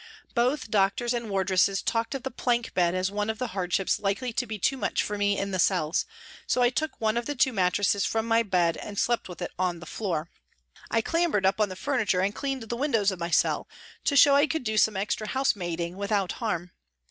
Both doctors and wardresses talked of the plank bed as one of the hardships likely to be too much for me in the cells, so I took one of the two mattresses from my bed and slept with it on the floor. I clambered up on the furniture and cleaned the windows of my cell to show I could do some extra liousemaiding without harm.